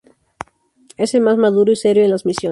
Es el más maduro y serio en las misiones.